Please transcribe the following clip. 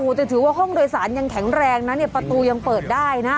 แต่ถือว่าห้องโดยสารยังแข็งแรงนะเนี่ยประตูยังเปิดได้นะ